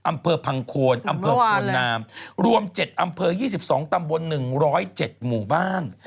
อำเภอพังโคนอำเภอโพนนามรวม๗อำเภอ๒๒ตำบล๑๐๗หมู่บ้าน